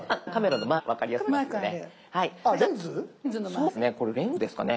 そうなんですね。